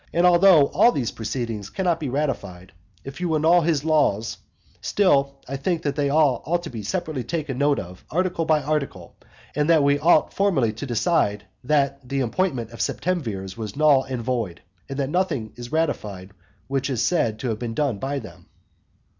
And although all these proceedings cannot be ratified, if you annul his laws, still I think that they ought all to be separately taken note of, article by article; and that we ought formally to decide that the appointment of septemvirs was null and void; and that nothing is ratified which is said to have been done by them.